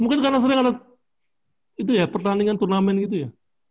mungkin karena sering ada pertandingan turnamen gitu ya